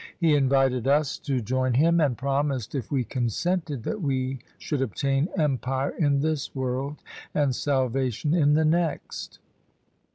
He invited us to join him, and promised, if we consented, that we should obtain empire in this world and salvation in the next.